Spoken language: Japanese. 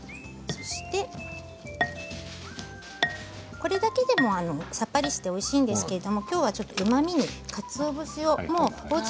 これだけでもさっぱりしておいしいんですけれどきょうはうまみにかつお節を入れます。